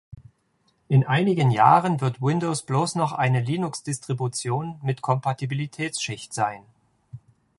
In einigen Jahren wird Windows bloß noch eine Linux-Distribution mit Kompatibilitätsschicht sein.